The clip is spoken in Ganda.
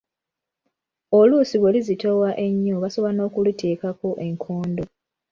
Oluusi bwe lizitowa ennyo basobola n’okuliteekako enkondo.